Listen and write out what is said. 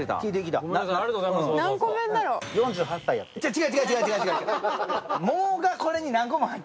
違う、違う違う！